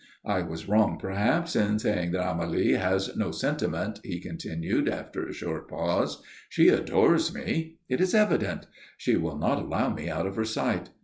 I was wrong, perhaps, in saying that Amélie has no sentiment," he continued, after a short pause. "She adores me. It is evident. She will not allow me out of her sight.